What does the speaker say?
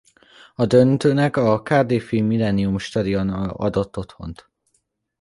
A döntőnek a cardiffi Millennium Stadion adott otthont.